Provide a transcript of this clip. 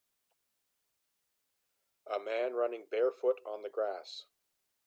A man running barefoot on the grass